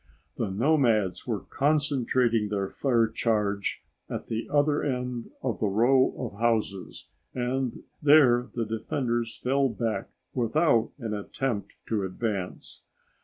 The nomads were concentrating their fire charge at the other end of the row of houses, and there the defenders fell back without an attempt to advance.